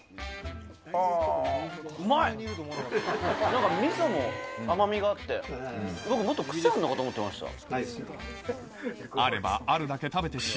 なんかみそも甘みがあって、もっと癖があるのかと思ってました。